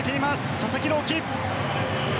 佐々木朗希。